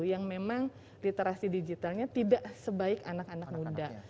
yang memang literasi digitalnya tidak sebaik anak anak muda